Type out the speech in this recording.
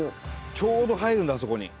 ちょうど入るんだあそこに。